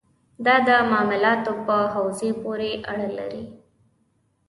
دا د معاملاتو په حوزې پورې اړه لري.